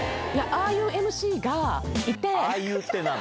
ああいうＭＣがいて。